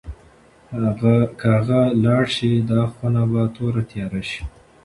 که هغه لاړه شي، دا خونه به توره تیاره شي.